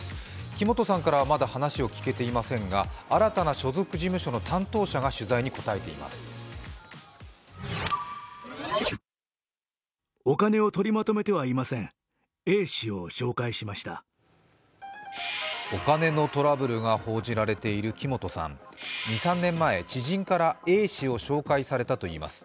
木本さんからはまだ話を聞けていませんが、新たな所属事務所の担当者が取材に答えています。